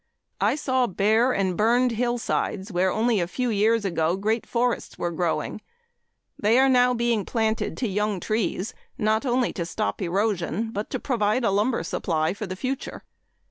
I saw bare and burned hillsides where only a few years ago great forests were growing. They are now being planted to young trees, not only to stop erosion, but to provide a lumber supply for the future.